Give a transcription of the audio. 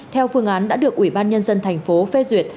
theo phương án đã được ủy ban nhân dân thành phố phê duyệt